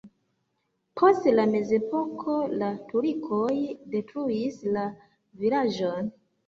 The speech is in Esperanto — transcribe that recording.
Post la mezepoko la turkoj detruis la vilaĝon.